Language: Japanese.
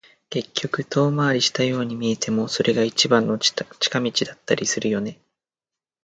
結局、遠回りしたように見えても、それが一番の近道だったりするよね。